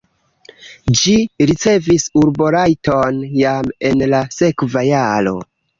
Ĝi ricevis urborajton jam en la sekva jaro.